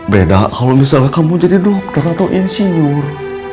beda kalau misalnya kamu jadi dokter atau insinyur